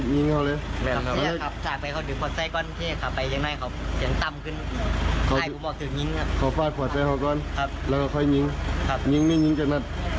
ยังนัดเดี๋ยวซ่อมกระบาดก็ได้ว่าสิบสามคน